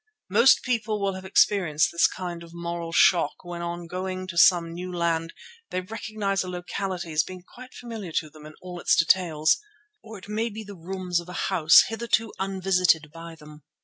Most people will have experienced this kind of moral shock when on going to some new land they recognize a locality as being quite familiar to them in all its details. Or it may be the rooms of a house hitherto unvisited by them.